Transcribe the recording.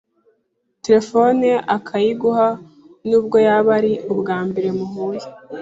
Telefone akayiguha nubwo yaba ari ubwambere muhuye